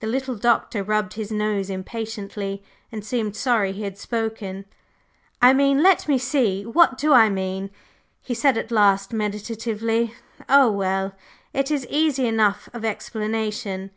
The little Doctor rubbed his nose impatiently and seemed sorry he had spoken. "I mean let me see! What do I mean?" he said at last meditatively "Oh, well, it is easy enough of explanation.